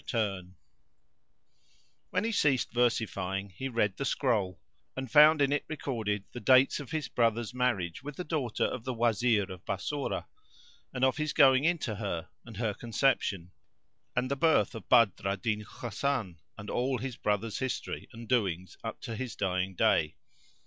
[FN#443] When he ceased versifying, he read the scroll and found in it recorded the dates of his brother's marriage with the daughter of the Wazir of Bassorah, and of his going in to her, and her conception, and the birth of Badr al Din Hasan and all his brother's history and doings up to his dying day.